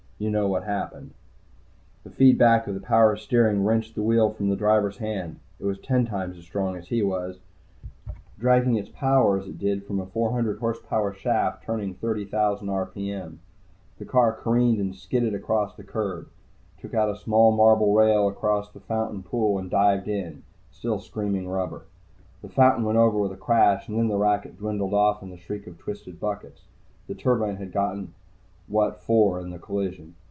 You know what happened. The feedback of the power steering wrenched the wheel from the driver's hand it was ten times as strong as he was, dragging its power as it did from a four hundred horsepower shaft turning 30,000 rpm. The car careened and skidded across the curb. It took out a small marble rail around the fountain pool and dived in, still screaming rubber. The fountain went over with a crash and then the racket dwindled off in the shriek of twisted buckets. The turbine had gotten what for in the collision.